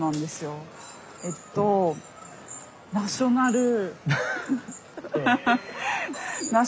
えっとナショナル。